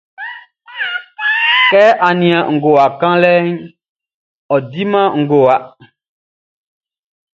Kɛ á nían ngowa kanlɛʼn, ɔ diman ngowa.